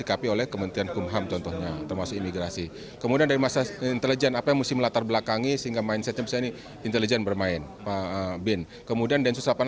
bapak komjen paul soehardi alius